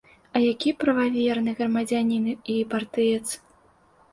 А які прававерны грамадзянін і партыец!